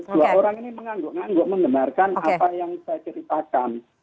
dua orang ini mengangguk ngangguk mengembarkan apa yang saya ceritakan